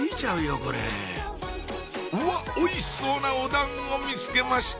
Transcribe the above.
これうわっおいしそうなお団子見つけました！